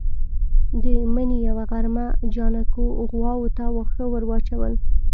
د مني يوه غرمه جانکو غواوو ته واښه ور اچول.